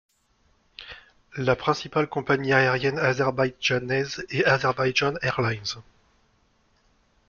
La principale compagnie aérienne azerbaïdjanaise est Azerbaijan Airlines.